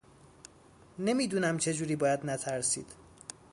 نمیدونم چه جوری باید نترسید